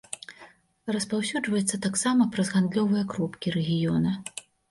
Распаўсюджваецца таксама праз гандлёвыя кропкі рэгіёна.